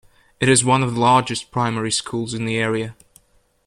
It is one of the largest primary schools in the area.